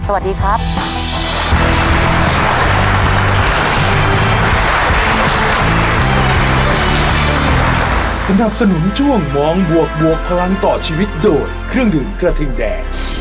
สวัสดีครับ